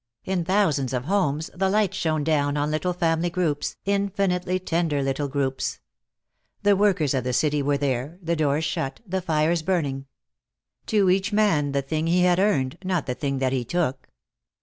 In thousands of homes the lights shone down on little family groups, infinitely tender little groups. The workers of the city were there, the doors shut, the fires burning. To each man the thing he had earned, not the thing that he took.